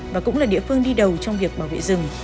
và cũng là địa phương đi đầu trong việc bảo vệ rừng